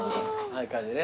ああいう感じね。